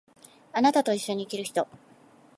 貴方と一緒に生きる人